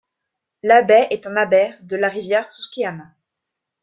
La baie est un aber de la rivière Susquehanna.